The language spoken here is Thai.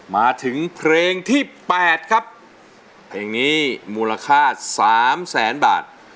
มาถึงเพลงที่๘ครับเพลงนี้มูลค่า๓แสนบาท